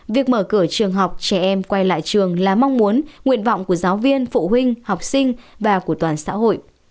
việc mở cửa trường học trẻ em quay lại trường là mong muốn nguyện vọng của giáo viên phụ huynh học sinh và của toàn xã hội